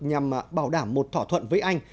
nhằm bảo đảm một thỏa thuận với anh